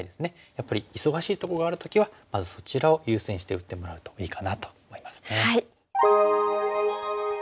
やっぱり忙しいとこがある時はまずそちらを優先して打ってもらうといいかなと思いますね。